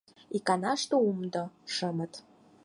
Иканаште умдо — шымыт